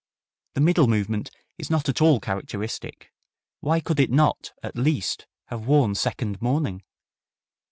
The middle movement is not at all characteristic. Why could it not at least have worn second mourning?